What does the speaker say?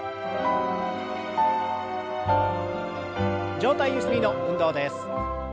上体ゆすりの運動です。